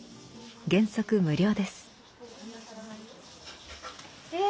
原則無料です。え！